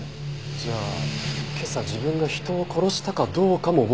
じゃあ今朝自分が人を殺したかどうかも覚えていない。